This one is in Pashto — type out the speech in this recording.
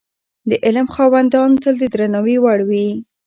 د علم خاوندان تل د درناوي وړ وي.